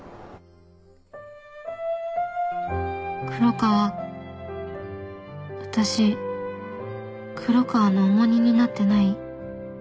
黒川私黒川の重荷になってない？